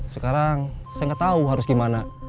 sekarang saya nggak tahu harus gimana